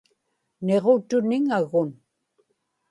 niġutuniŋagun